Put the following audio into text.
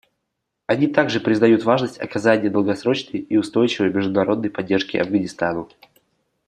Они также признают важность оказания долгосрочной и устойчивой международной поддержки Афганистану.